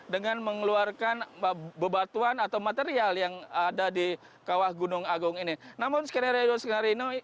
dengan mengeluarkan bebatuan atau material yang ada di kawah gunung agung ini namun skenario skenario